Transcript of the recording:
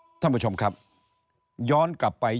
มีภาพมีเวลาที่วิทยาลัย